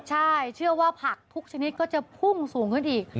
ใช่เชื่อว่าผักทุกชนิดก็จะพุ่งสูงขึ้นอีก